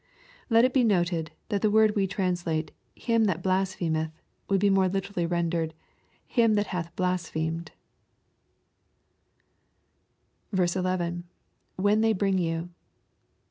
Let it be noted, that the word we translate " him that blaa phemeth," would be more literally rendered, " him that has blas phemed" *1. —[ When they bring you.